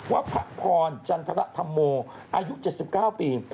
พระพรจันทรธรรมโมอายุ๗๙ปี